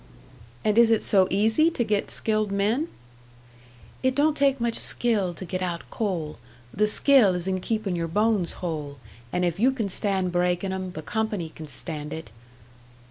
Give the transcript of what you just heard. "And is it so easy to get skilled men?" "It don't take much skill to get out coal. The skill is in keepin' your bones whole and if you can stand breakin' 'em, the company can stand it."